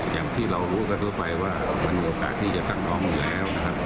อย่างที่เรารู้กันทั่วไปว่ามันมีโอกาสที่จะตั้งน้องอยู่แล้วนะครับ